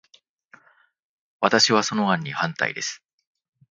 私は、その案に反対です。